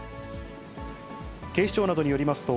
警視庁などによりますと、